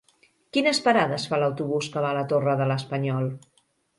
Quines parades fa l'autobús que va a la Torre de l'Espanyol?